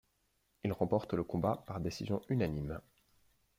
Il remporte le combat par décision unanime.